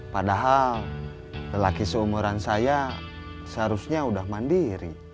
padahal lelaki seumuran saya seharusnya sudah mandiri